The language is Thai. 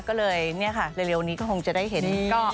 ก็เลยนี่ค่ะแต่ร่วมทางต่างที่ก็คงจะได้เห็น